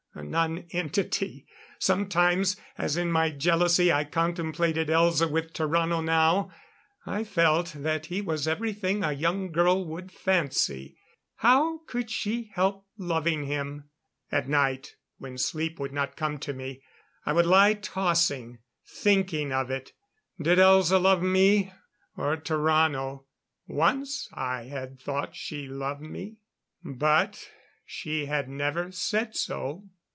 A nonentity. Sometimes as in my jealousy I contemplated Elza with Tarrano now, I felt that he was everything a young girl would fancy. How could she help loving him? At night, when sleep would not come to me, I would lie tossing, thinking of it. Did Elza love me or Tarrano? Once I had thought she loved me. But she had never said so.